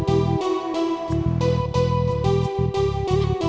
akan ada oke ya